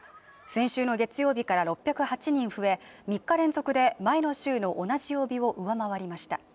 先週の月曜日から６０８人増え、３日連続で前の週の同じ曜日を上回りました。